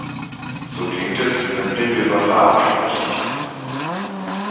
So klingt es, wenn Blinde über Farben sprechen.